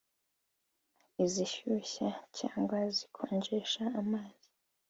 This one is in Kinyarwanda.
izishyushya cyangwa zikonjesha amazi